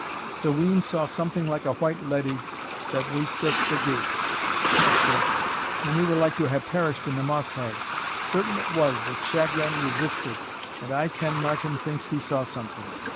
"The wean saw something like a white leddy that weised us the gate," said Tibb; "when we were like to hae perished in the moss hags certain it was that Shagram reisted, and I ken Martin thinks he saw something."